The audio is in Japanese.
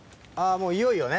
もういよいよね。